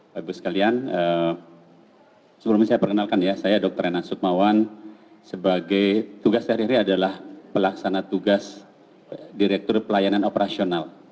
bapak ibu sekalian sebelumnya saya perkenalkan ya saya dr renang sukmawan sebagai tugas hari ini adalah pelaksana tugas direktur pelayanan operasional